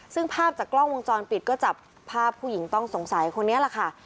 ซึ่งภาพจากกล้องวงจรปิดก็จับภาพผู้หญิงต้องสงสัยคนนี้แหละค่ะ